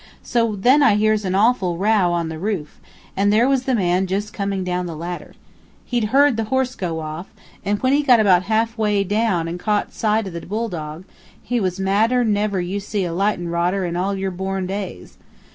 So then I hears an awful row on the roof, and there was the man just coming down the ladder. He'd heard the horse go off, and when he got about half way down an' caught a sight of the bull dog, he was madder than ever you seed a lightnin' rodder in all your born days.